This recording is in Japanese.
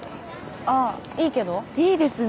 ああーいいけどいいですね